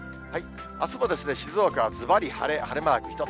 あすも静岡はずばり晴れ、晴れマーク一つ。